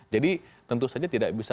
jadi tentu saja tidak bisa